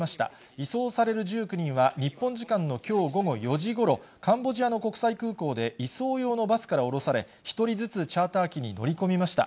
移送される１９人は、日本時間のきょう午後４時ごろ、カンボジアの国際空港で移送用のバスから降ろされ、１人ずつチャーター機に乗り込みました。